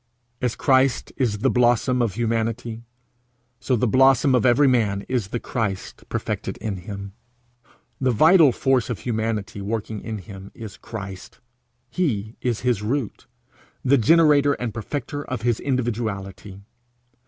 As Christ is the blossom of humanity, so the blossom of every man is the Christ perfected in him. The vital force of humanity working in him is Christ; he is his root the generator and perfecter of his individuality.